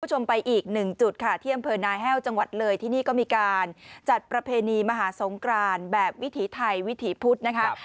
คุณผู้ชมไปอีกหนึ่งจุดค่ะที่อำเภอนาแห้วจังหวัดเลยที่นี่ก็มีการจัดประเพณีมหาสงกรานแบบวิถีไทยวิถีพุธนะคะ